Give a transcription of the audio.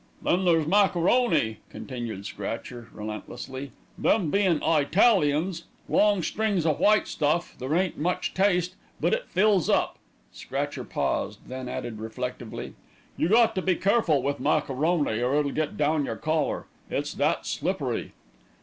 "Then there's macaroni," continued Scratcher relentlessly, "them bein' I talians. Long strings o' white stuff, there ain't much taste; but it fills up." Scratcher paused, then added reflectively, "You got to be careful wi' macaroni, or it'll get down your collar; it's that slippery."